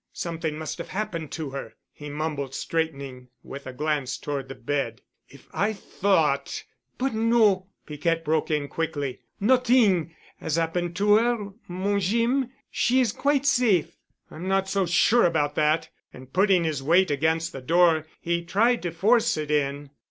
"Something must have happened to her," he mumbled straightening, with a glance toward the bed. "If I thought——" "But no," Piquette broke in quickly. "Not'ing 'as 'appen' to 'er, mon Jeem. She is quite safe." "I'm not so sure about that——" And putting his weight against the door, he tried to force it in.